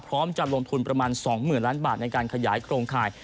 พร้อมจะลงทุนประมาณ๒๐๐๐ล้านบาทในการขยายโครงข่าย